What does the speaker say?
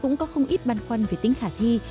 cũng có không ít băn khoăn về tính khả thi